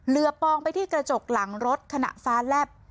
อปองไปที่กระจกหลังรถขณะฟ้าแลบ